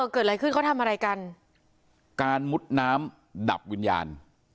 เกิดอะไรขึ้นเขาทำอะไรกันการมุดน้ำดับวิญญาณ